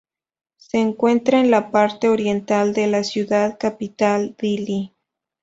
Se encuentra en la parte oriental de la ciudad capital, Dili.